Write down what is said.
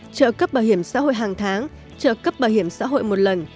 trợ cấp bảo hiểm xã hội hàng tháng trợ cấp bảo hiểm xã hội một lần